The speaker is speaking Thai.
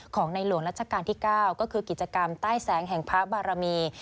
ในหลวงรัชกาลที่๙ก็คือกิจกรรมใต้แสงแห่งพระบารมี